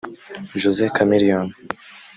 Jose Chameleone